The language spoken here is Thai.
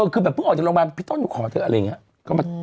คือแบบเพิ่งออกจากโรงพยาบาลพี่ต้นหนูขอเถอะอะไรอย่างนี้